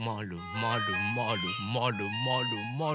まるまるまるまる。